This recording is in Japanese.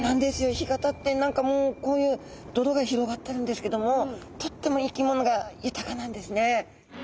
干潟って何かもうこういう泥が広がってるんですけどもとっても生き物が豊かなんですね。